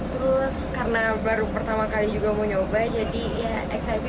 terus karena baru pertama kali juga mau nyoba jadi ya excited